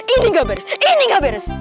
ini nggak beres ini nggak beres